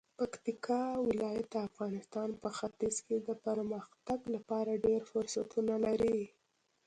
پکتیکا ولایت د افغانستان په ختیځ کې د پرمختګ لپاره ډیر فرصتونه لري.